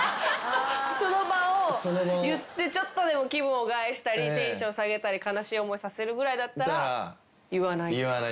その場を言ってちょっとでも気分を害したりテンション下げたり悲しい思いさせるぐらいだったら言わない？